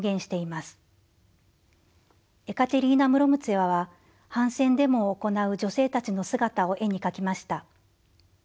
エカテリーナ・ムロムツェワは反戦デモを行う女性たちの姿を絵に描きました。